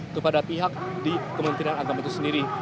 kepada pihak di kementerian agama itu sendiri